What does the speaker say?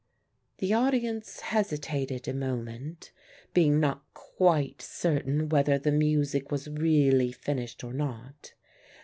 The audience hesitated a moment, being not quite certain whether the music was really finished or not.